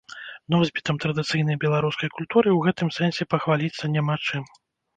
Носьбітам традыцыйнай беларускай культуры ў гэтым сэнсе пахваліцца няма чым.